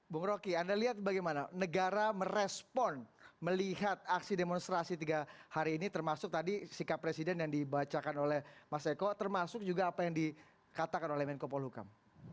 bung roky anda lihat bagaimana negara merespon melihat aksi demonstrasi tiga hari ini termasuk tadi sikap presiden yang dibacakan oleh mas eko termasuk juga apa yang dikatakan oleh menko polukam